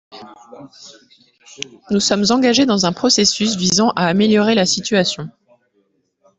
Nous sommes engagés dans un processus visant à améliorer la situation.